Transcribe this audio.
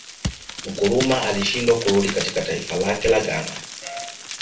Nkrumah alishindwa kurudi katika taifa lake la Ghana